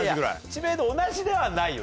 知名度同じではないよ